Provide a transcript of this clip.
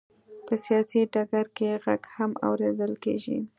په سیاسي ډګر کې یې غږ هم اورېدل کېږي.